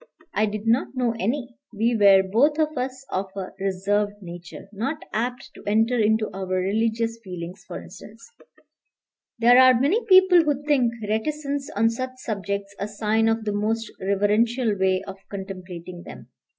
I did not know any. We were both of us of a reserved nature, not apt to enter into our religious feelings, for instance. There are many people who think reticence on such subjects a sign of the most reverential way of contemplating them.